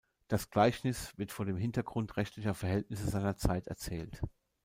Das Gleichnis wird vor dem Hintergrund rechtlicher Verhältnisse seiner Zeit erzählt.